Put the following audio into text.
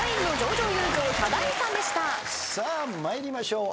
さあ参りましょう。